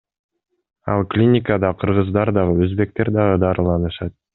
Ал клиникада кыргыздар дагы, өзбектер дагы дарыланышат.